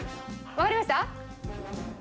わかりました？